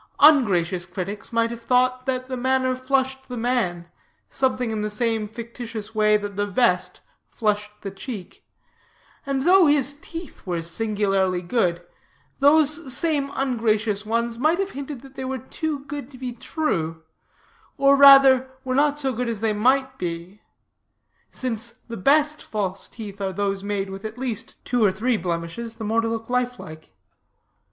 Ungracious critics might have thought that the manner flushed the man, something in the same fictitious way that the vest flushed the cheek. And though his teeth were singularly good, those same ungracious ones might have hinted that they were too good to be true; or rather, were not so good as they might be; since the best false teeth are those made with at least two or three blemishes, the more to look like life.